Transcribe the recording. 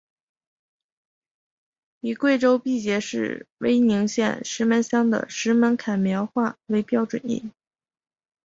以贵州毕节市威宁县石门乡的石门坎苗话为标准音。